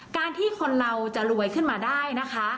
การที่คนเราจะรวยขึ้นมาได้นะคะ